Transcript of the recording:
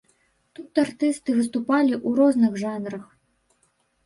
Тут артысты выступалі у розных жанрах.